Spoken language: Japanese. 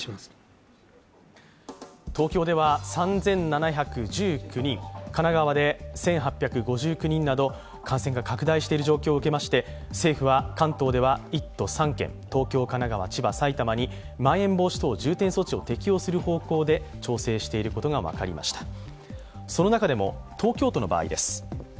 東京では３７１９人、神奈川で１８５９人など感染が拡大している状況を受けまして政府は関東では１都３県、東京、神奈川、千葉、埼玉にまん延防止等重点措置を適用する方向で調整していることが分かりました。